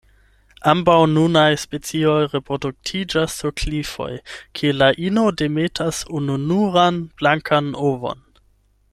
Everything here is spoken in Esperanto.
Ambaŭ nunaj specioj reproduktiĝas sur klifoj, kie la ino demetas ununuran blankan ovon.